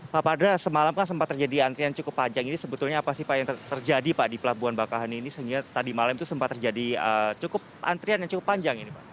pak padra semalam kan sempat terjadi antrian cukup panjang ini sebetulnya apa sih pak yang terjadi pak di pelabuhan bakahuni ini sehingga tadi malam itu sempat terjadi antrian yang cukup panjang ini pak